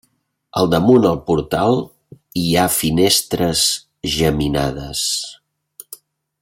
Al damunt el portal hi ha finestres geminades.